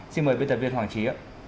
xin mời biên tập viên hoàng trí